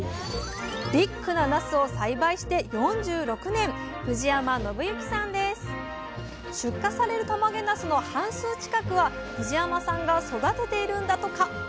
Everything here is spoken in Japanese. ビッグななすを栽培して４６年出荷されるたまげなすの半数近くは藤山さんが育てているんだとか！